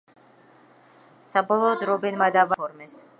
საბოლოოდ რობენმა და ვან პერსიმ დუბლი გაიფორმეს.